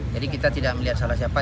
jadi kita tidak melihat salah siapa